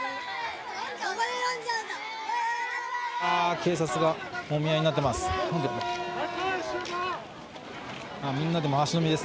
警察がもみ合いになっています。